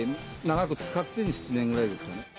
長く使って７年ぐらいですかね。